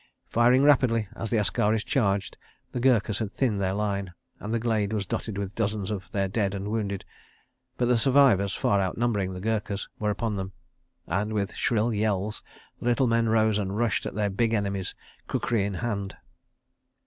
Firing rapidly, as the askaris charged, the Gurkhas had thinned their line, and the glade was dotted with dozens of their dead and wounded—but the survivors, far outnumbering the Gurkhas, were upon them—and, with shrill yells, the little men rose and rushed at their big enemies kukri in hand.